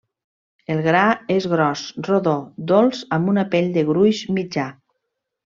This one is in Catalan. El gra és gros, rodó, dolç amb una pell de gruix mitjà.